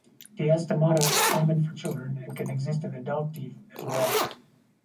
Diastemata are common for children and can exist in adult teeth as well.